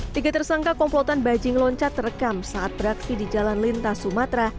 tiga tersangka komplotan bajing loncat terekam saat beraksi di jalan lintas sumatera